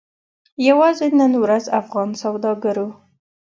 یوازې نن ورځ افغان سوداګرو